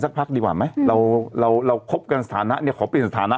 พักดีกว่าไหมเราเราคบกันสถานะเนี่ยขอเปลี่ยนสถานะ